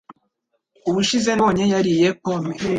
Ubushize nabonye yariye pome.